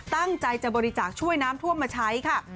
ตั้งใจจะบริจาคช่วยน้ำท่วมมาใช้ค่ะ